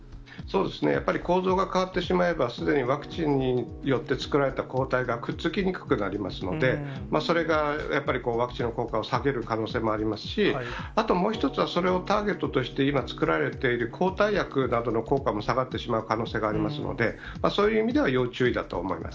やっぱり構造が変わってしまえば、すでにワクチンによって作られた抗体がくっつきにくくなりますので、それがやっぱりワクチンの効果を下げる可能性もありますし、あともう一つはそれをターゲットとして、今、作られている抗体薬などの効果も下がってしまう可能性がありますので、そういう意味では要注意だと思います。